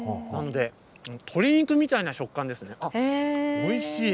鶏肉みたいな食感ですね。